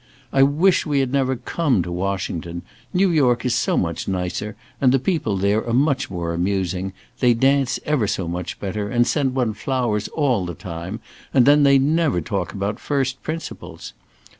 I wish we had never come to Washington. New York is so much nicer and the people there are much more amusing; they dance ever so much better and send one flowers all the time, and then they never talk about first principles.